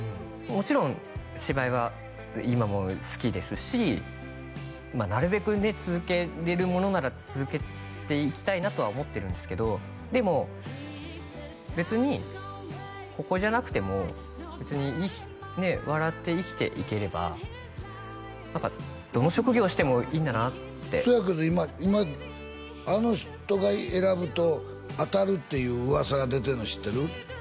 もちろん芝居は今も好きですしなるべくね続けれるものなら続けていきたいなとは思ってるんですけどでも別にここじゃなくても別に笑って生きていければ何かどの職業してもいいんだなってそやけど今今「あの人が選ぶと当たる」っていう噂が出てるの知ってる？